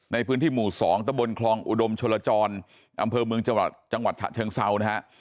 ในพื้นที่หมู่๒ตะบลคลองอุดมชลจรอำเพิร์ตเมืองจังหวัดจังหวัดเกิงเสานะฮะ